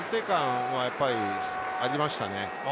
安定感がありましたね。